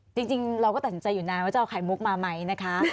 จริงเราก็ตัดสินใจอยู่นานว่าจะเอาไข่มุกมาไหมนะคะ